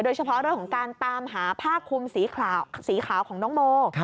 โดยเฉพาะเรื่องของการตามหาผ้าคุมสีขาวของน้องโม